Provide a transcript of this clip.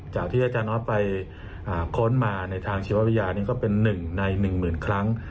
จากที่อาจารย์ออสไปค้นมาในทางชีววะวิญญาณนี้ก็เป็นหนึ่งในหนึ่งหมื่นครั้ง